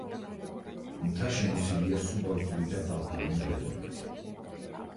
მთა შემოსილია სუბალპური და ალპური მდელოებით.